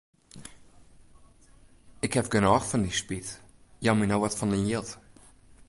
Ik haw genôch fan dyn spyt, jou my no wat fan dyn jild.